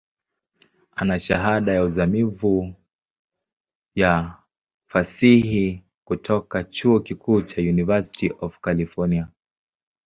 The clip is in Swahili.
Ana Shahada ya uzamivu ya Fasihi kutoka chuo kikuu cha University of California.